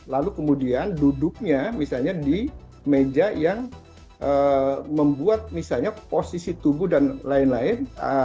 lalu kemudian duduknya misalnya di meja yang membuat misalnya posisi tubuh dan lain lain